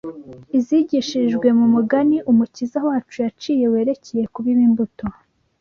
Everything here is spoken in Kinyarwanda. izigishirijwe mu mugani Umukiza wacu yaciye werekeye kubiba imbuto